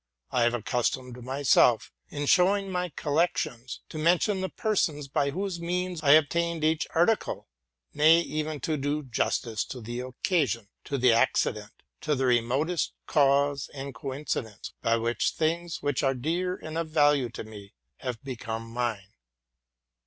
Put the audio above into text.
I have accustomed myself, in showing my collec uous, to mention the persons by whose means I obtained ach article, nay, even to do justice to the occasion, to the accident, to the remotest cause and coincidence, by which things which are dear and of value to me have become mine.